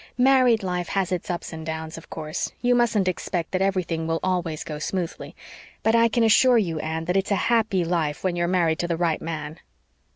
"Married life has its ups and downs, of course. You mustn't expect that everything will always go smoothly. But I can assure you, Anne, that it's a happy life, when you're married to the right man."